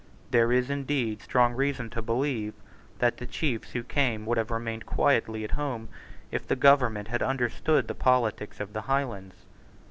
There is indeed strong reason to believe that the chiefs who came would have remained quietly at home if the government had understood the politics of the Highlands.